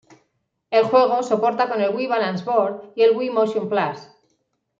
El juego soporta con el Wii Balance Board y el Wii Motion Plus.